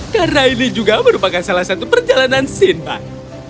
karena ini juga merupakan salah satu perjalanan sinbak